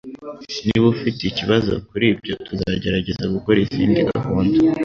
Niba ufite ikibazo kuri ibyo, tuzagerageza gukora izindi gahunda.